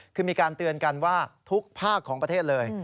คือมีการเตือนกันว่าทุกภาคของประเทศเลย